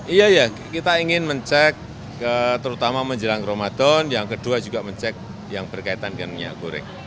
iya ya kita ingin mencek terutama menjelang ramadan yang kedua juga mencek yang berkaitan dengan minyak goreng